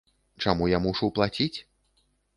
Чаму я мушу плаціць?